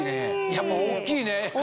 やっぱ大きいね！